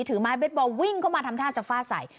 ถือไม้เบสบอลวิ่งเข้ามาทำท่าจะฟาดใส่